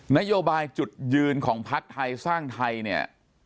นโยบายจุดยืนของพักไทยสร้างไทยเนี่ย